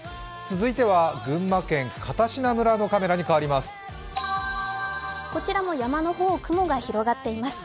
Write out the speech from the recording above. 続いては群馬県片品村のカメラに変わります。